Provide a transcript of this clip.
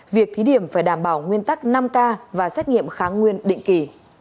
việc thí điểm phải đảm bảo nguyên tắc năm k và xét nghiệm kháng nguyên định kỳ